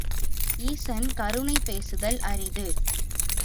ஈசன் கருணை பேசுதல் அரிது.